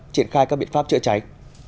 triển khai các biện pháp chữa cháy